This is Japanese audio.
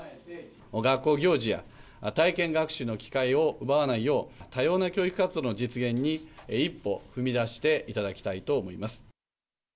学校行事や体験学習の機会を奪わないよう、多様な教育活動の実現に一歩踏み出していただきたいと思います。